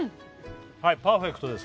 はいパーフェクトです